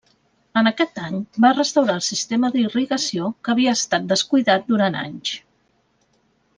En aquest any va restaurar el sistema d'irrigació que havia estat descuidat durant anys.